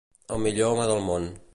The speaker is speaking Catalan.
El millor home del món.